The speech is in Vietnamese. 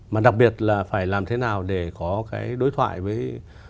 mà đặc biệt là phải làm thế nào để có cái đối thoại với